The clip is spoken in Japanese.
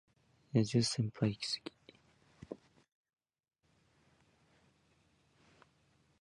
野獣先輩イキスギ